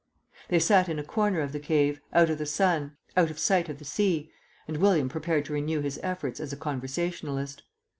They sat in a corner of the cave, out of the sun, out of sight of the sea, and William prepared to renew his efforts as a conversationalist.